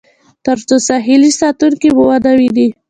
تر څو ساحلي ساتونکي مو ونه وویني.